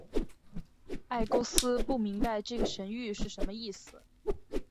埃勾斯不明白这个神谕是什么意思。